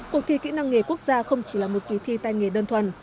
cuộc thi kỹ năng nghề quốc gia không chỉ là một kỳ thi tay nghề đơn thuần